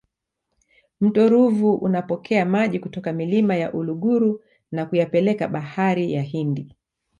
mto ruvu unapokea maji kutoka milima ya uluguru na kuyapeleka bahari ya hindi